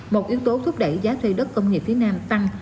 một yếu tố thúc đẩy giá thuê đất công nghiệp phía nam tăng